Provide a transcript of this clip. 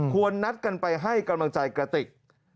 นัดกันไปให้กำลังใจกระติก